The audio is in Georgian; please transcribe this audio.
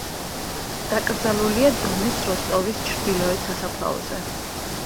დაკრძალულია დონის როსტოვის ჩრდილოეთ სასაფლაოზე.